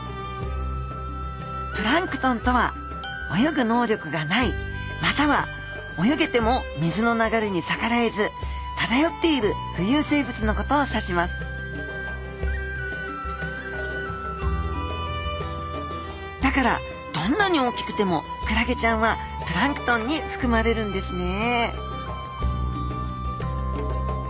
プランクトンとは泳ぐ能力がないまたは泳げても水の流れに逆らえず漂っている浮遊生物のことを指しますだからどんなに大きくてもクラゲちゃんはプランクトンにふくまれるんですね